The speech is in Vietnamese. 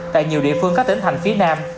tại nhiều địa phương các tỉnh thành phía nam